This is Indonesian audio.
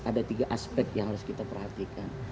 ada tiga aspek yang harus kita perhatikan